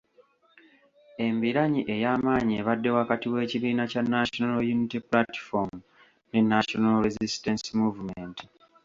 Embiranyi ey’amaanyi ebadde wakati w’ekibiina kya National Unity Platform ne National Resistance Movement.